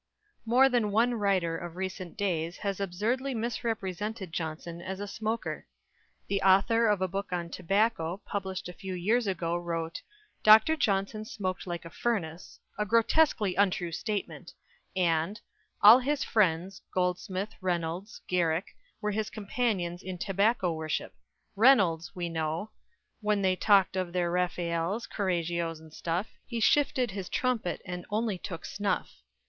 More than one writer of recent days has absurdly misrepresented Johnson as a smoker. The author of a book on tobacco published a few years ago wrote "Dr. Johnson smoked like a furnace" a grotesquely untrue statement and "all his friends, Goldsmith, Reynolds, Garrick, were his companions in tobacco worship." Reynolds, we know _When they talk'd of their Raphaels, Corregios, and stuff, He shifted his trumpet, and only took snuff.